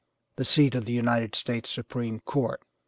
the seat of the United States Supreme Court.